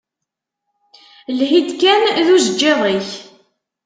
Lhi-d, kan d ujeǧǧiḍ-ik!